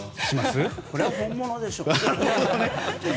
これは本物でしょう。